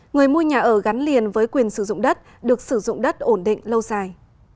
người mua nhà ở gắn liền với quyền sử dụng đất được sử dụng đất ổn định lâu dài